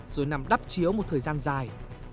rồi nằm đắp chiếu một thời gian dài